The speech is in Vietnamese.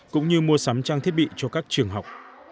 cũng như mua sắm trang thiết bị cho các trường học